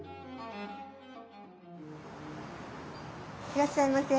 いらっしゃいませ。